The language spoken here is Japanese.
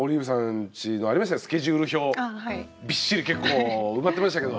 びっしり結構埋まってましたけど。